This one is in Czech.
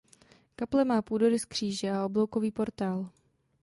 Kaple má půdorys kříže a obloukový portál.